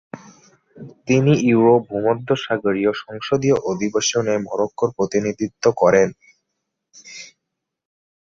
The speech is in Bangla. তিনি ইউরো-ভূমধ্যসাগরীয় সংসদীয় অধিবেশন-এ মরক্কোর প্রতিনিধিত্ব করেন।